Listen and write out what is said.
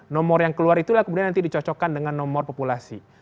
nomor yang keluar itulah kemudian nanti dicocokkan dengan nomor populasi